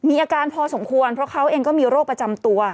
อาการพอสมควรเพราะเขาเองก็มีโรคประจำตัว